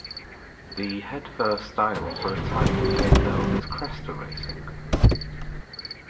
The head-first style for a time became known as 'Cresta' racing.